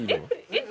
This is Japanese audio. えっ？